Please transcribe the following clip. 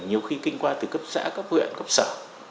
nhiều khi kinh qua từ cấp xã cấp huyện cấp xã